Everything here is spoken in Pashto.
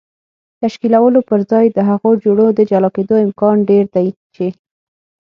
تشکیلولو پر ځای د هغو جوړو د جلا کېدو امکان ډېر دی چې